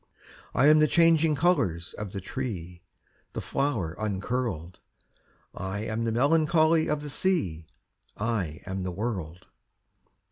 I am the changing colours of the tree; The flower uncurled: I am the melancholy of the sea; I am the world.